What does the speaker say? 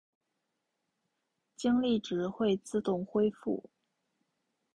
精力值会自动恢复。